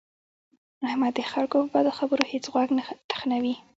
احمد د خلکو په بدو خبرو هېڅ غوږ نه تخنوي.